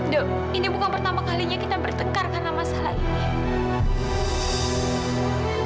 dok ini bukan pertama kalinya kita bertekar karena masalah ini